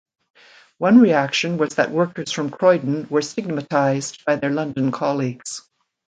One reaction was that workers from Croydon were stigmatised by their London colleagues.